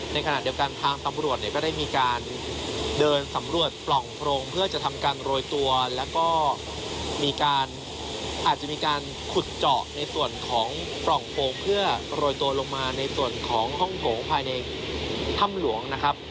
ในขณะเดียวกันทางตำรวจเนี่ยก็ได้มีการเดินสำรวจปล่องโพรงเพื่อจะทำการโรยตัวแล้วก็มีการอาจจะมีการขุดเจาะในส่วนของปล่องโพรงเพื่อโรยตัวลงมาในส่วนของห้องโถงภายในถ้ำหลวงนะครับ